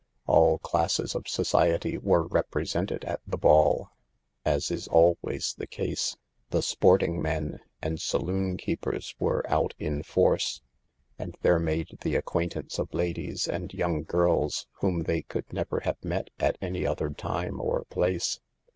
All classes of so ciety were represented at the ball, as is always 64 SAVE THE GIRLS. the case. The "sporting men" and saloon keepers were out in force, and there made the acquaintance of ladies and young girls whom they could never have met at any other time or place.